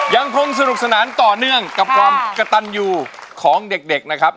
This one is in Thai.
ยังคงสนุกสนานต่อเนื่องกับความกระตันอยู่ของเด็กนะครับ